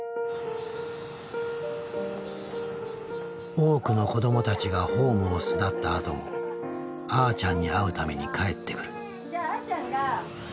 多くの子どもたちがホームを巣立ったあともあーちゃんに会うために帰ってくる。